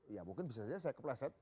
ya mungkin bisa saja saya keplasan